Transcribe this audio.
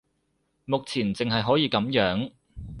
目前淨係可以噉樣